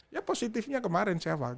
ya positifnya kemarin seava